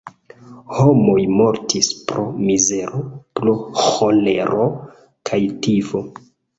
Homoj mortis pro mizero, pro ĥolero kaj tifo.